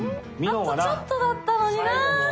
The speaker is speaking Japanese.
あとちょっとだったのにな。